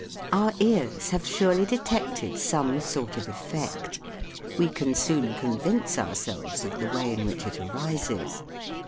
Our ears have surely detected some sort of effect ; we can soon con vince ourselves of the way in which it arises.